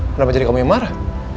kenapa jadi kamu yang marah